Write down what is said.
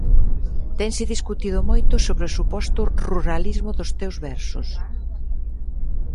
Tense discutido moito sobre o suposto "ruralismo" dos teus versos.